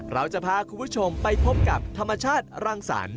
เราจะพาคุณผู้ชมไปพบกับธรรมชาติรังสรรค์